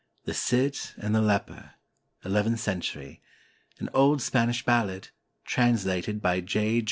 THE CID AND THE LEPER [Eleventh century] AN OLD SPANISH BALLAD, TRANSLATED BY J.